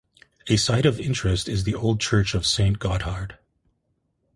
A site of interest is the old church of Saint Gotthard.